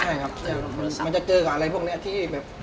ใช่ครับแต่มันจะเจอกับอะไรพวกนี้ที่แบบ